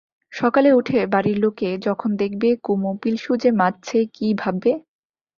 সকালে উঠে বাড়ির লোকে যখন দেখবে কুমু পিলসুজ মাজছে কী ভাববে!